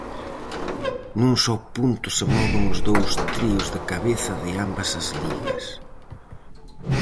Nun só punto se moven os dous tríos de cabeza de ambas as ligas.